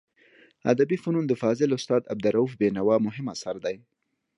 ادبي فنون د فاضل استاد عبدالروف بینوا مهم اثر دی.